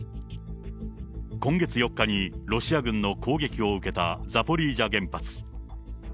今月４日にロシア軍の攻撃を受けたザポリージャ原発。